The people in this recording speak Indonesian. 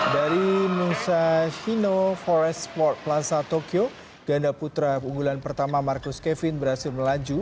dari musashino forest sport plaza tokyo ganda putra keunggulan pertama marcus kevin berhasil melaju